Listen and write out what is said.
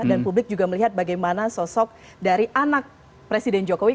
dan publik juga melihat bagaimana sosok dari anak presiden jokowi